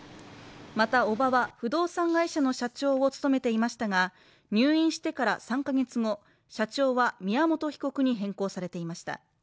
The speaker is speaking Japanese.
また、おばは不動産会社の社長を務めていましたが、入院してから３か月後、社長は宮本被告に変更されていました。